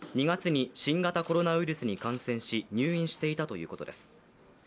２月に新型コロナウイルスに感染し入院していたということです。